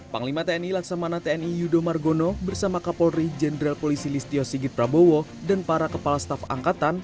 panglima tni laksamana tni yudo margono bersama kapolri jenderal polisi listio sigit prabowo dan para kepala staf angkatan